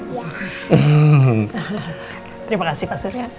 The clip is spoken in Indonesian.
terima kasih pak suri